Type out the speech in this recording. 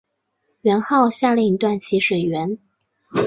元昊下令断其水源。